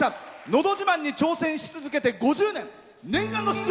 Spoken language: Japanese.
「のど自慢」に挑戦し続けて５０年。